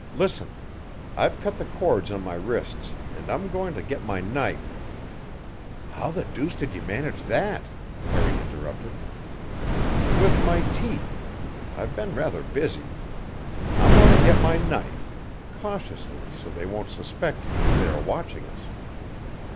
Listen! I've cut the cords on my wrists, and I'm going to get my knife " "How the deuce did you manage that?" Harry interrupted. "With my teeth. I've been rather busy. I'm going to get my knife cautiously, so they won't suspect if they are watching us.